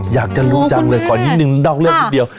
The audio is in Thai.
อยากจะรู้จังเลยขอนิดนึงนอกเรื่องนิดเดียว